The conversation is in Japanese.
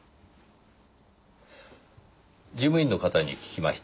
事務員の方に聞きました。